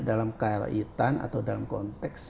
dalam kaitan atau dalam konteks